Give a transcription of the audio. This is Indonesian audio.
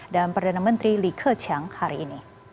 dan perdana menteri li keqiang hari ini